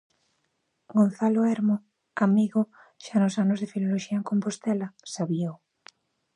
Gonzalo Hermo, amigo xa nos anos de Filoloxía en Compostela, sabíao.